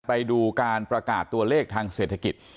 ไปดูการประกาศตัวเลขทางเศรษฐกิจ